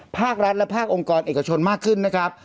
ภาครัฐและภาคองค์กรเอกชนมากขึ้นนะครับ